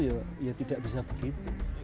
ya tidak bisa begitu